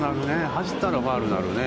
走ったらファウルになるね。